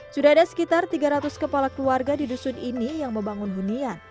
sudah ada sekitar tiga ratus kepala keluarga di dusun ini yang membangun hunian